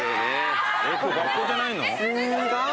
今日学校じゃないの？